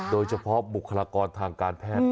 โดยเฉพาะบุคลากรทางการแพทย์